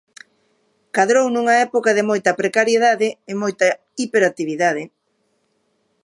Cadrou nunha época de moita precariedade e moita hiperactividade.